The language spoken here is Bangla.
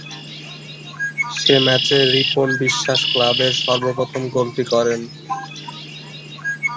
সে ম্যাচে রিপন বিশ্বাস ক্লাবের সর্বপ্রথম গোলটি করেন।